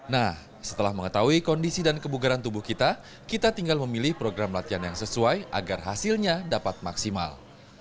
nah setelah mengetahui kondisi dan kebugaran tubuh kita kita tinggal memilih program latihan yang sesuai agar hasilnya dapat maksimal